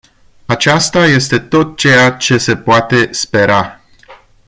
Aceasta este tot ceea ce se poate spera.